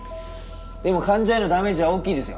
でも患者へのダメージは大きいですよ。